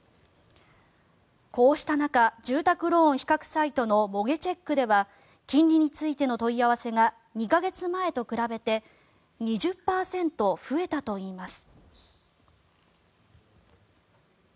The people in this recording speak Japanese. こうした中住宅ローン比較サイトのモゲチェックでは金利についての問い合わせが２か月前と比べて２０％増えたといいます。